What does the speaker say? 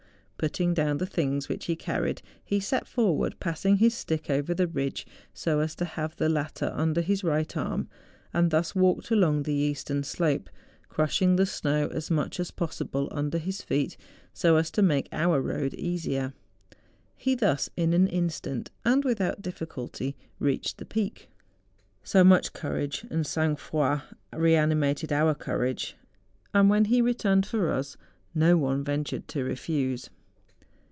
Putting down the things which he carried, he set forward, passing his stick over the ridge, so as to have the latter under his right arm, and thus walked along THE JUNGFRAU. 77 the eastern slope, crushing the snow as much as possible under his feet, so as to make our road easier. He thus, in an instant, and without diffi¬ culty, reached the peak. So much courage and sang froid re animated our courage, and when he returned for us no one ventured to refuse.